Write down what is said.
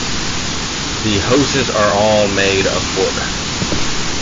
The houses are all made of wood.